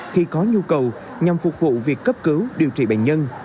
khi có nhu cầu nhằm phục vụ việc cấp cứu điều trị bệnh nhân